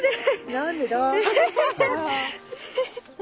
何でだ？